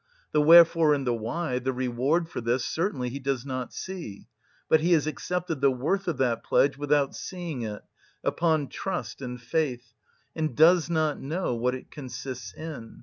The wherefore and the why, the reward for this, certainly he does not see; but he has accepted the worth of that pledge without seeing it, upon trust and faith, and does not know what it consists in.